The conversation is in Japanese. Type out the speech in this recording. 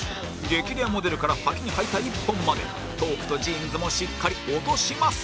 激レアモデルから穿きに穿いた一本までトークとジーンズもしっかり落とします！